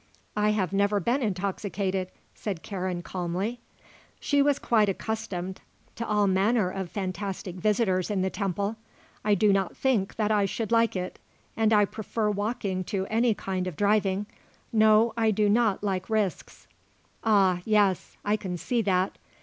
"I have never been intoxicated," said Karen calmly she was quite accustomed to all manner of fantastic visitors in the temple "I do not think that I should like it. And I prefer walking to any kind of driving. No, I do not like risks." "Ah yes, I can see that.